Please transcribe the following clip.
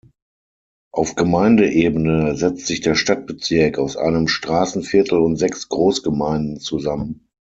Auf Gemeindeebene setzt sich der Stadtbezirk aus einem Straßenviertel und sechs Großgemeinden zusammen.